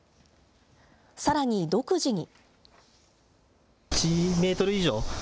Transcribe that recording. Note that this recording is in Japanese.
さらに独自に。